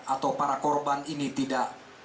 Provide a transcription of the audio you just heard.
atau para korban ini tidak